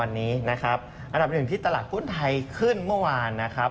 วันนี้นะครับอันดับหนึ่งที่ตลาดหุ้นไทยขึ้นเมื่อวานนะครับ